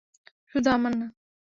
শুধু আমার না।